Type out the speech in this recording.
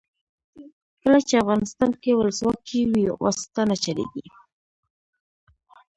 کله چې افغانستان کې ولسواکي وي واسطه نه چلیږي.